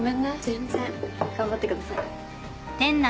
全然。頑張ってください。